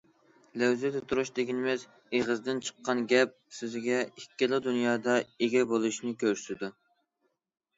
لەۋزىدە تۇرۇش دېگىنىمىز ئېغىزدىن چىققان گەپ- سۆزىگە ئىككىلا دۇنيادا ئىگە بولۇشنى كۆرسىتىدۇ.